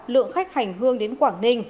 lượng khách hành hương đến quảng ninh